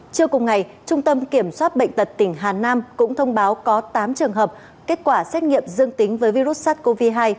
trước cùng ngày trung tâm kiểm soát bệnh tật tỉnh hà nam cũng thông báo có tám trường hợp kết quả xét nghiệm dương tính với virus sars cov hai